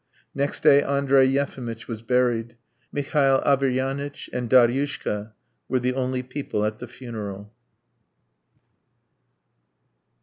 Next day Andrey Yefimitch was buried. Mihail Averyanitch and Daryushka were the only people at the funeral.